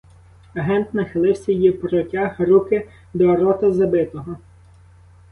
Агент нахилився й протяг руки до рота забитого.